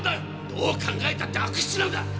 どう考えたって悪質なんだ！